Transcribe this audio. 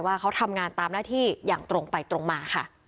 ว่าเขาทำงานตามหน้าที่อย่างตรงไปตรงมาค่ะ